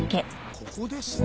ここですね。